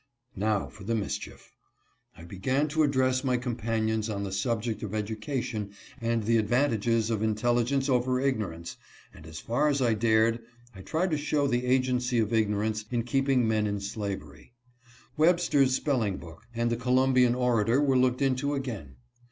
Now for mischief ! I began to address my companions on the subject of education and the advantages of intelligence over ignorance, and, as far as I dared, I tried to show the agency of ignorance in keeping men in slavery. Web ster's spelling book and the Columbian Orator were looked into again.